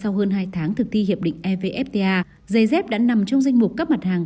tuy nhiên sau hơn hai tháng thực thi hiệp định evfta giày dép đã nằm trong danh mục các mặt hàng